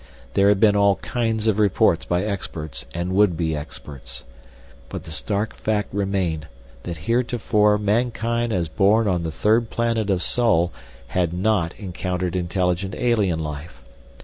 There had been all kinds of reports by experts and would be experts. But the stark fact remained that heretofore mankind as born on the third planet of Sol had not encountered intelligent alien life.